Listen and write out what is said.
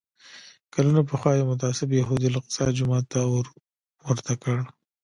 کلونه پخوا یو متعصب یهودي الاقصی جومات ته اور ورته کړ.